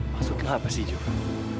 maksudnya apa sih joe